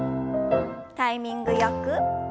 タイミングよく。